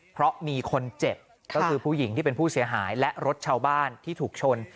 เพราะมีคนเจ็บก็คือผู้หญิงที่เป็นผู้เสียหายและรถชาวบ้านที่ถูกชน